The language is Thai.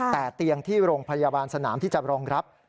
แต่เตียงที่โรงพยาบาลสนามที่จะรองรับ